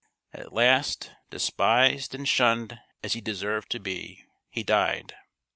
At last, despised and shunned as he deserved to be, he died.